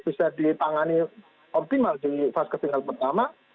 bisa ditangani optimal di fase ketinggal pertama